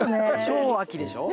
超秋でしょ？